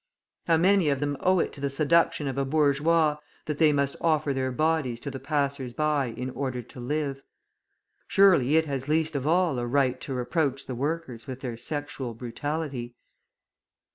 How many of them owe it to the seduction of a bourgeois, that they must offer their bodies to the passers by in order to live? surely it has least of all a right to reproach the workers with their sexual brutality.